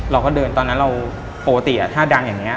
เราก็เดินตอนนั้นเราปกติถ้าดังอย่างนี้